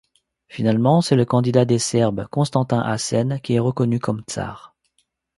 Finalement, c’est le candidat des Serbes Constantin Asên qui est reconnu comme tsar.